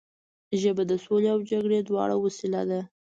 ژبه د سولې او جګړې دواړو وسیله ده